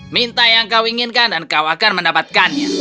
minta yang kau inginkan dan kau akan mendapatkannya